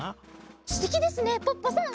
すてきですねポッポさん！